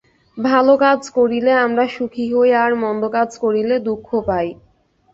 ভাল কাজ করিলে আমরা সুখী হই, আর মন্দ কাজ করিলে দুঃখ পাই।